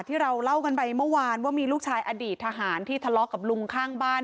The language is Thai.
ที่เราเล่ากันไปเมื่อวานว่ามีลูกชายอดีตทหารที่ทะเลาะกับลุงข้างบ้าน